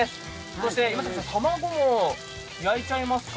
そして卵も焼いちゃいますか？